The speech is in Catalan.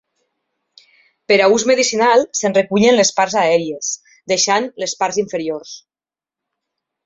Per a ús medicinal se'n recullen les parts aèries, deixant les parts inferiors.